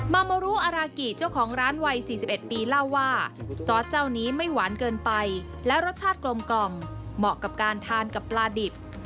โมรุอารากิเจ้าของร้านวัย๔๑ปีเล่าว่าซอสเจ้านี้ไม่หวานเกินไปและรสชาติกลมเหมาะกับการทานกับปลาดิบ